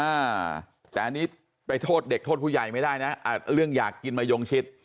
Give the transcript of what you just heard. อ่าแต่อันนี้ไปโทษเด็กโทษผู้ใหญ่ไม่ได้นะอ่าเรื่องอยากกินมะยงชิด